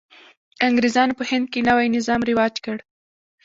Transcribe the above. انګرېزانو په هند کې نوی نظام رواج کړ.